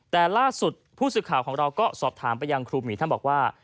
แต่ล่าสุดผู้สื่อข่าวของเราก็สอบถามไปยังครูหมีท่านบอกว่า